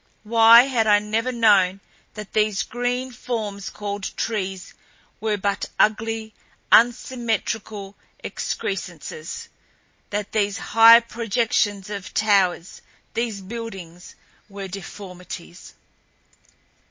Why had I never known that these green forms called trees were but ugly, unsymmetrical excrescences? That these high projections of towers, these buildings were deformities?